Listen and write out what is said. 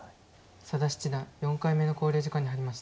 佐田七段４回目の考慮時間に入りました。